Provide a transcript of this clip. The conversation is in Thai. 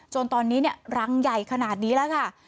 จนตอนนี้รังใหญ่ขนาดนี้แล้วค่ะ